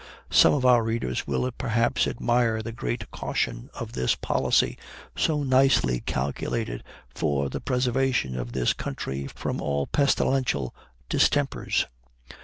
Some of our readers will, perhaps, admire the great caution of this policy, so nicely calculated for the preservation of this country from all pestilential distempers.